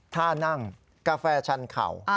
ท่านั่งกาแฟชันเข่า